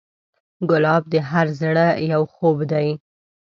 ګلاب د هر زړه یو خوب دی.